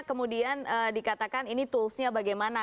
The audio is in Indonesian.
kemudian dikatakan ini toolsnya bagaimana